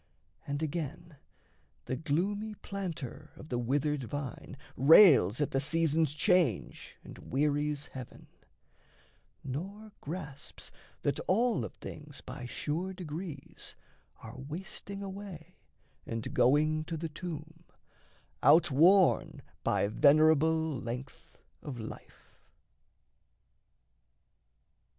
And, again, The gloomy planter of the withered vine Rails at the season's change and wearies heaven, Nor grasps that all of things by sure degrees Are wasting away and going to the tomb, Outworn by venerable length of life.